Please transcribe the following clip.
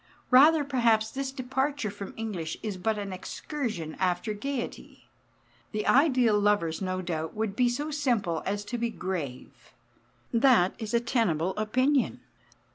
Rather perhaps this departure from English is but an excursion after gaiety. The ideal lovers, no doubt, would be so simple as to be grave. That is a tenable opinion.